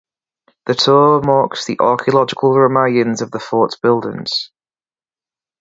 The tour marks the archaeological remains of the fort's buildings.